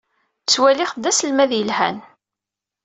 Ttwaliɣ-t d aselmad yelhan.